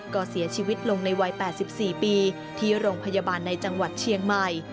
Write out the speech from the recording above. ก็เสียชีวิตลงในวัย๘๔ปีที่โรงพยาบาลในจังหวัดเชียงใหม่